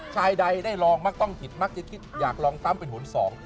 ชายใดได้ลองมักต้องผิดมักจะคิดอยากลองซ้ำเป็นหนสอง